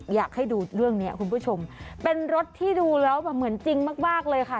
อยากให้ดูเรื่องนี้คุณผู้ชมเป็นรถที่ดูแล้วแบบเหมือนจริงมากเลยค่ะ